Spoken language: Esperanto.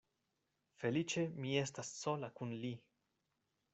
Feliĉe mi estas sola kun li.